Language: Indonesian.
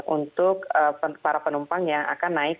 untuk para penumpang yang akan naik